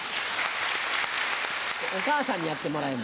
お母さんにやってもらえ。